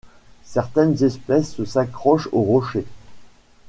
Certaines espèces s'accrochent aux rochers.